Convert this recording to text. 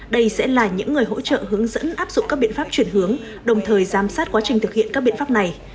đây sẽ là những người hỗ trợ hướng dẫn áp dụng các biện pháp chuyển hướng đồng thời giám sát quá trình thực hiện các biện pháp này